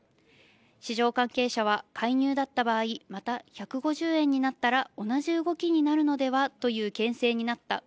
市場関係者は、介入だった場合、また１５０円になったら、同じ動きになるのではといったけん制になった。